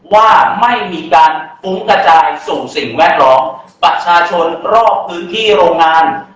ว่าไม่มีการฟุ้งกระจายสู่สิ่งแวดล้อมประชาชนรอบพื้นที่โรงงาน